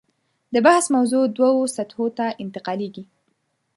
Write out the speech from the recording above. د بحث موضوع دوو سطحو ته انتقالېږي.